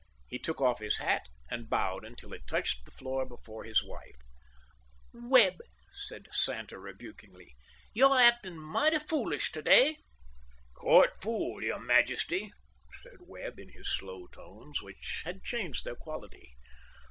He took off his hat, and bowed until it touched the floor before his wife. "Webb," said Santa rebukingly, "you're acting mighty foolish to day." "Court fool, your Majesty," said Webb, in his slow tones, which had changed their quality.